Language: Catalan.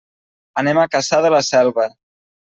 Anem a Cassà de la Selva.